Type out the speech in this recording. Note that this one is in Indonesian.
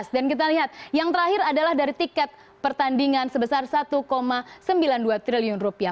dan kita lihat yang terakhir adalah dari tiket pertandingan sebesar satu sembilan puluh dua triliun rupiah